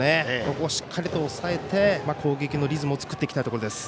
ここをしっかり抑えて攻撃のリズムを作っていきたいところです。